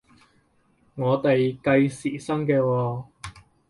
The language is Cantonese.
我哋計時薪嘅喎？